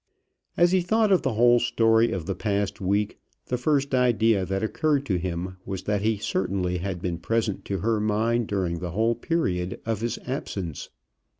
As he thought of the whole story of the past week, the first idea that occurred to him was that he certainly had been present to her mind during the whole period of his absence.